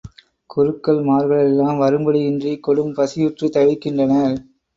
குருக்கள்மார்களெல்லாம் வரும்படி யின்றிக் கொடும் பசியுற்றுத் தவிக்கின்றனர்.